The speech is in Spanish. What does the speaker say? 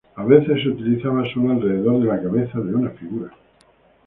A veces se utilizaba solo alrededor de la cabeza de una figura.